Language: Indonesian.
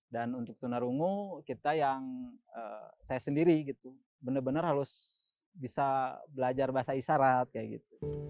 dan untuk tuna rungu kita yang saya sendiri benar benar harus bisa belajar bahasa isyarat